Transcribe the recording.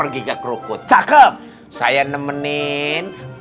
kita tuh harus kompak